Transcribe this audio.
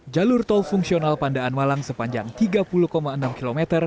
jalur tol fungsional pandaan malang sepanjang tiga puluh enam km